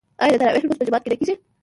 آیا د تراويح لمونځ په جومات کې نه کیږي؟